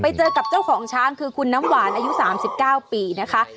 ไปเจอกับเจ้าของช้างคือคุณน้ำหวานอายุ๓๙ปีนะคะ